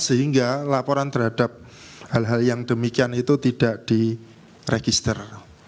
sehingga laporan terhadap hal hal yang demikian itu tidak diregister